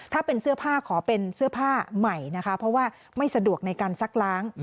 ถ้าเป็นเสื้อผ้าขอเป็นเสื้อผ้าใหม่นะคะเพราะว่าไม่สะดวกในการซักล้าง